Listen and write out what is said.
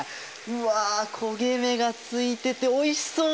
うわ焦げ目がついてておいしそう！